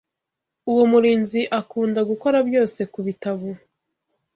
Uwo murinzi akunda gukora byose kubitabo.